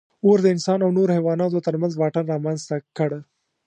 اور د انسان او نورو حیواناتو تر منځ واټن رامنځ ته کړ.